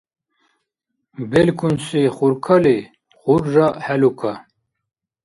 Белкунси хуркали хурра хӀелука.